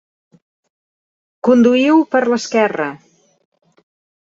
Conduïu per l'esquerra.